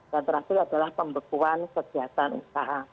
dan terakhir adalah pembekuan kegiatan usaha